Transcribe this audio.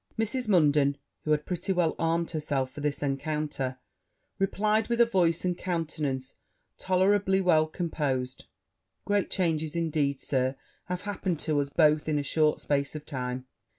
Mrs. Munden, who had pretty well armed herself for this encounter, replied with a voice and countenance tolerably well composed, 'Great changes indeed, Sir, have happened to us both in a short space of time.'